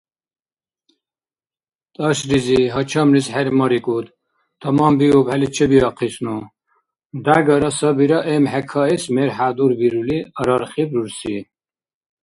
– ТӀашризи, гьачамлис хӀермарикӀуд, таманбиубхӀели чебиахъисну, – дягара сабира эмхӀе каэс мер хӀядурбирули, – арархиб рурси.